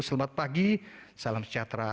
selamat pagi salam sejahtera